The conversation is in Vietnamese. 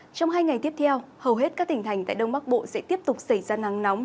trong hai ngày tiếp theo hầu hết các tỉnh thành tại đông bắc bộ sẽ tiếp tục xảy ra nắng nóng